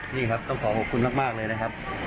นี่ครับต้องขอขอบคุณมากเลยนะครับ